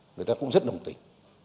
người ta cũng rất đồng tình